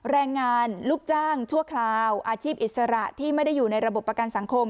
แรงงานลูกจ้างชั่วคราวอาชีพอิสระที่ไม่ได้อยู่ในระบบประกันสังคม